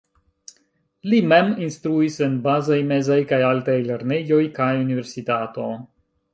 Li mem instruis en bazaj, mezaj kaj alta lernejoj kaj universitato.